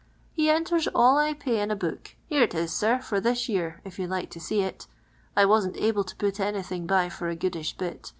He enters all I pay in a book. Here it it, sir, for this year, if you 'd like to see it I wasn't able to put anything by for a goodisb bit.